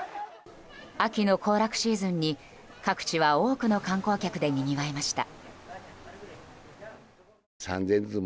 秋の行楽シーズンに各地は多くの観光客でにぎわいました。